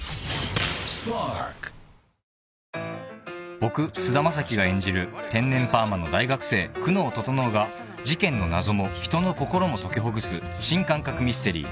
［僕菅田将暉が演じる天然パーマの大学生久能整が事件の謎も人の心も解きほぐす新感覚ミステリー